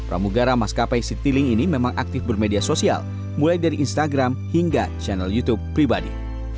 ramugara maskapai citilink ini memang aktif bermedia sosial mulai dari instagram hingga channel youtube pribadi